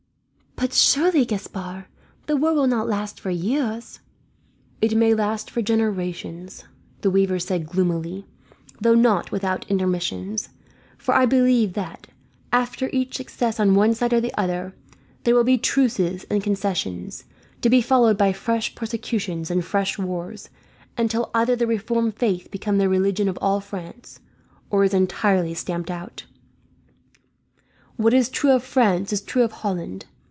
"But surely, Gaspard, the war will not last for years?" "It may last for generations," the weaver said gloomily, "though not without intermissions; for I believe that, after each success on one side or the other, there will be truces and concessions; to be followed by fresh persecutions and fresh wars, until either the reformed faith becomes the religion of all France, or is entirely stamped out. "What is true of France is true of Holland.